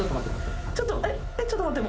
ちょっと待って。